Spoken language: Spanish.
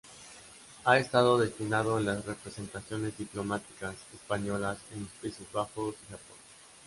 Ha estado destinado en las representaciones diplomáticas españolas en los Países Bajos y Japón.